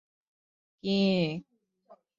养殖业生产保持稳定。